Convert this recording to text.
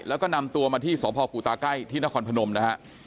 แล้วก็นำตัวมาที่สพกุตาใกล้ที่นครพนมนะฮะ